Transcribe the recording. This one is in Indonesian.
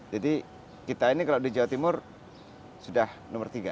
jadi kita ini kalau di jawa timur sudah nomor tiga